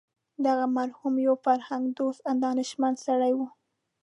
دغه مرحوم یو فرهنګ دوست دانشمند سړی و.